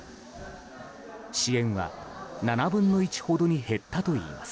支援は７分の１ほどに減ったといいます。